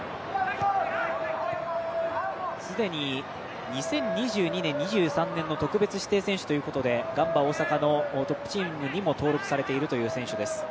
既に２０２２年、２３年の特別視陳選手ということでガンバ大阪のトップチームにも登録されているという選手です。